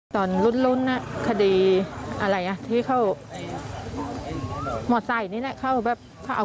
ตอนรุ้นคดีอะไรที่เขา